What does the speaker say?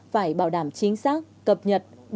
phải bảo đảm chính xác cập nhật